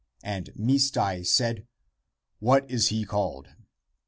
And Misdai said, "What is he called?"